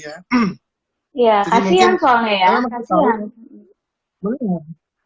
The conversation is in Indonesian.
iya kasihan soalnya ya